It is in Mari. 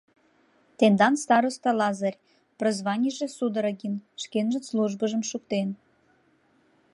Тендан староста Лазарь, прозванийже Судорогин, шкенжын службыжым шуктен.